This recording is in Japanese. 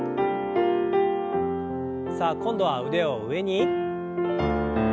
さあ今度は腕を上に。